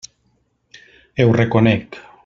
Ho reconec.